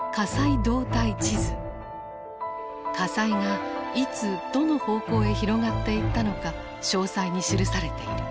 火災がいつどの方向へ広がっていったのか詳細に記されている。